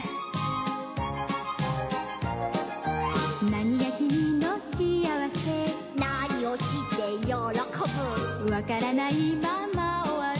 なにがきみのしあわせなにをしてよろこぶわからないままおわる